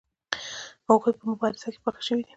هغوی په مبارزه کې پاخه شوي دي.